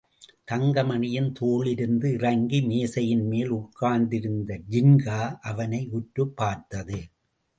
தங்கமணியின் தோளிலிருந்து இறங்கி மேஜையின் மேல் உட்கார்ந்திருந்த ஜின்கா அவனை உற்றுப் பார்த்தது.